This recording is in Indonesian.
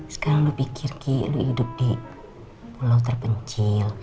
sekarang lu pikir ki lu hidup di pulau terpencil